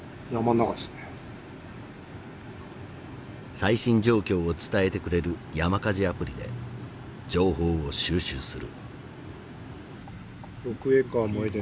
最新状況を伝えてくれる山火事アプリで情報を収集する。